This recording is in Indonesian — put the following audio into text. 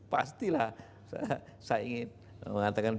pastilah saya ingin mengatakan